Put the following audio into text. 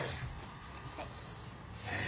はい。